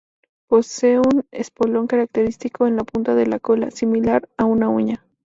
Poseen un espolón característico en la punta de la cola, similar a una uña.